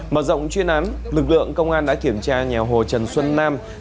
mở rộng chuyên án lực lượng công an đã kiểm tra nhà hồ trần xuân nam